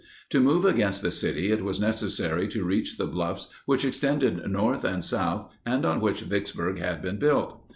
To move against the city it was necessary to reach the bluffs which extended north and south and on which Vicksburg had been built.